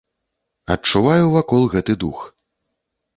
Адчуваю вакол гэты дух.